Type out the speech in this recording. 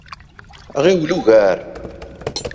Ɣiwel ugar!